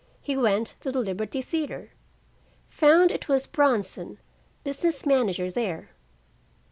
He went to the Liberty Theater. Found it was Bronson, business manager there.